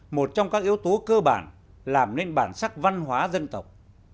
một trong các yếu tố cơ bản làm nên bản sắc văn hóa dân tộc